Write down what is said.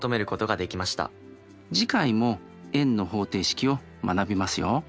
次回も円の方程式を学びますよ。